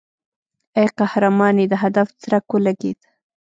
ای قهرمانې د هدف څرک ولګېد.